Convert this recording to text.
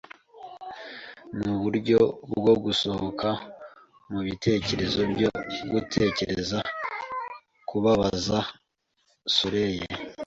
Nuburyo bwo gusohoka mubitekerezo byo gutekereza kubabaza soleye